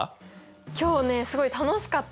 今日ねすごい楽しかった。